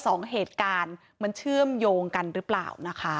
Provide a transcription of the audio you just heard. สองเหตุการณ์มันเชื่อมโยงกันหรือเปล่านะคะ